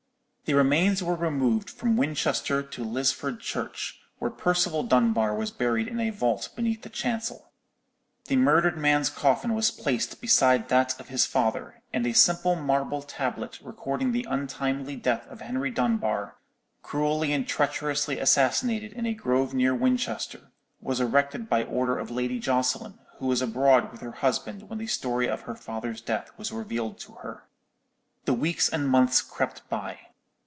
"The remains were removed from Winchester to Lisford Church, where Percival Dunbar was buried in a vault beneath the chancel. The murdered man's coffin was placed beside that of his father, and a simple marble tablet recording the untimely death of Henry Dunbar, cruelly and treacherously assassinated in a grove near Winchester, was erected by order of Lady Jocelyn, who was abroad with her husband when the story of her father's death was revealed to her. "The weeks and months crept by.